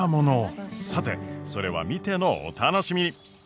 さてそれは見てのお楽しみ。